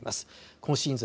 今シーズン